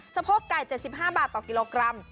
สะโพกไก่๗๕บาทต่อกิโลกรัม